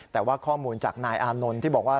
แต่ว่าข้อมูลจากนายอานนท์ที่บอกว่า